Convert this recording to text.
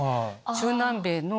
中南米の。